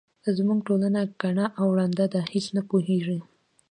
زموږ ټولنه کڼه او ړنده ده هیس نه پوهیږي.